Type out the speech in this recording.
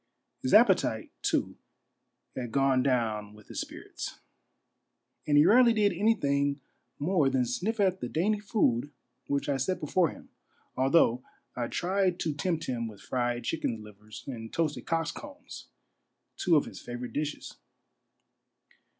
His appetite, too, had gone down with his spirits ; and he rarely did anything more than sniff at the dainty food which I set before him, although I tried to tempt him with fried chickens' livers and toasted cocks' combs — two of Ids favorite dishes.